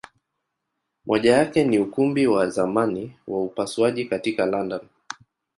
Moja yake ni Ukumbi wa zamani wa upasuaji katika London.